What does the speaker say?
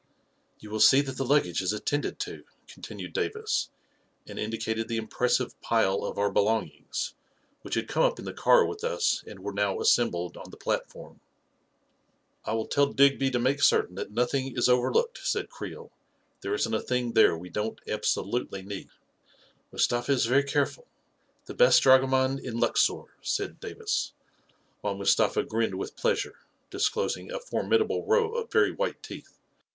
" You will see that the luggage is attended to," continued Davis, and indicated the impressive pile of our belongings, which had come up in the car with us and were now assembled on the platform. " I will tell Digby to make certain that nothing is overlooked," said Creel. "There isn't a thing there we don't absolutely need." A KING IN BABYLON 93 14 Mustafa is very careful — the best dragoman in Luxor," said Davis, while Mustafa grinned with pleasure, disclosing a formidable row of very white teeth.